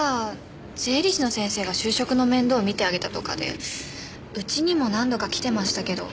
税理士の先生が就職の面倒を見てあげたとかでうちにも何度か来てましたけど。